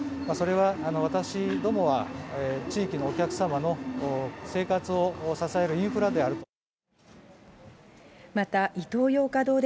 それは、私どもは地域のお客様の生活を支えるインフラであると。